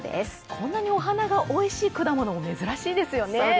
こんなにお花がおいしい果物も珍しいですよね。